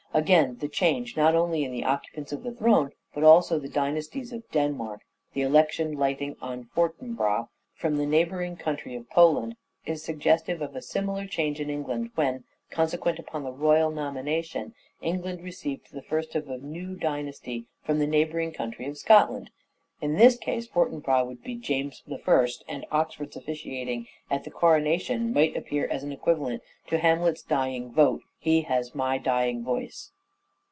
Again the change, not only in the occupants of the throne but also of dynasties in Denmark, " the election lighting on Fortinbras," from the neighbouring country of Poland, is suggestive of a similar change in England when, consequent upon the royal nomination, England received the first of a new dynasty from the neighbouring country of Scotland. In this case Fortinbras would be James I, and Oxford's officiating at the coronation might appear as an equivalent to Hamlet's dying vote, " He has my dying voice."